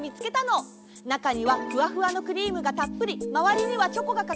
なかにはふわふわのクリームがたっぷりまわりにはチョコがかかって。